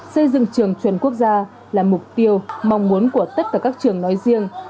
xây dựng trường chuẩn quốc gia là mục tiêu mong muốn của tất cả các trường nói riêng